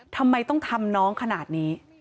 ทำไมต้องทำน้องขนาดนี้